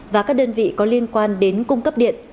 và các đơn vị có liên quan đến cung cấp điện